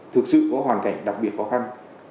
thực sự có hoàn cảnh đặc biệt khó khăn